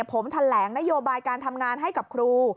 ผมแถลงนโยบายการทำงานให้กับครู